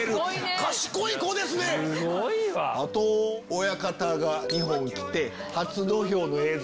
親方が日本来て初土俵の映像